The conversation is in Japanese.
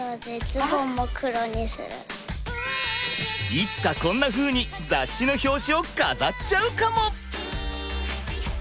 いつかこんなふうに雑誌の表紙を飾っちゃうかも！